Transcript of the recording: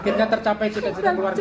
akhirnya tercapai cita cita keluarga